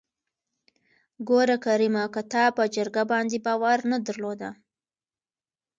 ګوره کريمه که تا په جرګه باندې باور نه درلوده.